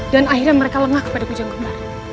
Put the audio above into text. dan akhirnya mereka lengah kepada kujang gembar